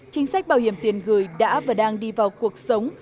chính sách bảo hiểm tiền gửi đã và đang đi vào cuộc sống